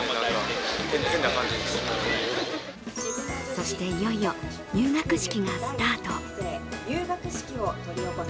そしていよいよ入学式がスタート。